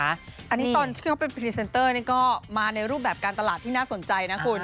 อันนี้ตอนที่เขาเป็นพรีเซนเตอร์นี่ก็มาในรูปแบบการตลาดที่น่าสนใจนะคุณ